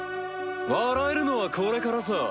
笑えるのはこれからさ。